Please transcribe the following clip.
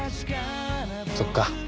そっか。